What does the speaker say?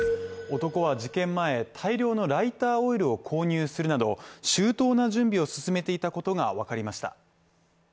男は事件前、大量のライターオイルを購入するなど周到な準備を進めていたことが分かりました。